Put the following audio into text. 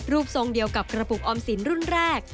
ทรงเดียวกับกระปุกออมสินรุ่นแรก